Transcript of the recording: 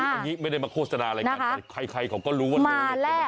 อันนี้ไม่ได้มาโฆษณาอะไรกันแต่ใครเขาก็รู้ว่า